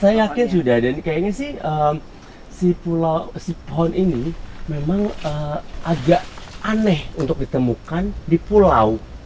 saya yakin sudah dan kayaknya sih si pohon ini memang agak aneh untuk ditemukan di pulau